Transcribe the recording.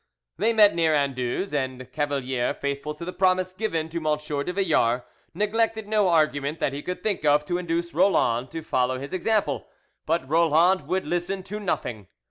They met near Anduze, and Cavalier, faithful to the promise given to M. de Villars, neglected no argument that he could think of to induce Roland to follow his example; but Roland would listen to nothing.